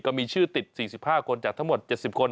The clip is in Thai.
ก็มีชื่อติด๔๕คนจากทั้งหมด๗๐คน